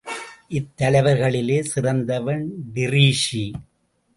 இத்தலைவர்களிலே சிறந்தவன் டிரீஸி.